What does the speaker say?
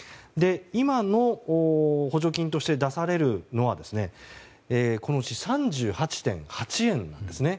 今の補助金として出されるのはこのうち３８．８円なんですね。